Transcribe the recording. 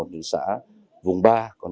để đối với bà con